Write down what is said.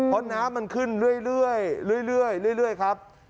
เพราะน้ำมันขึ้นเรื่อยครับ